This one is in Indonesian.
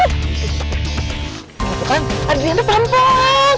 gapapa ada yang ngepampek